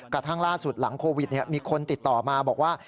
กระทั่งล่าสุดหลังโควิดมีคนติดต่อมาบอกว่า